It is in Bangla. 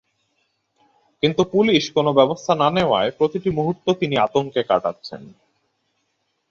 কিন্তু পুলিশ কোনো ব্যবস্থা না নেওয়ায় প্রতিটি মুহূর্ত তিনি আতঙ্কে কাটাচ্ছেন।